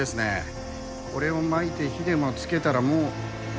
これをまいて火でもつけたらもう。